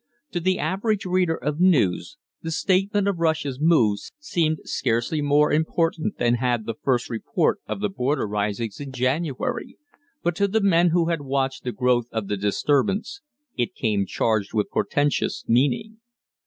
To the average reader of news the statement of Russia's move seemed scarcely more important than had the first report of the border risings in January, but to the men who had watched the growth of the disturbance it came charged with portentous meaning.